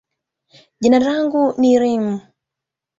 jina langu ni Reem.